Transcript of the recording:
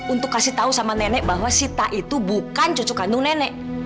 untuk kasih tahu sama nenek bahwa sita itu bukan cucu kandung nenek